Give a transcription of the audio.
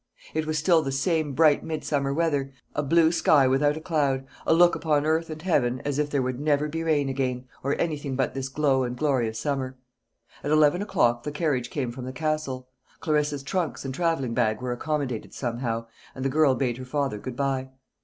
It was still the same bright midsummer weather a blue sky without a cloud, a look upon earth and heaven as if there would never be rain again, or anything but this glow and glory of summer. At eleven o'clock the carriage came from the Castle; Clarissa's trunks and travelling bag were accommodated somehow; and the girl bade her father good bye.